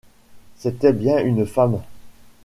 C’était bien une femme.